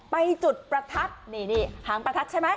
จุดประทัดนี่หางประทัดใช่ไหม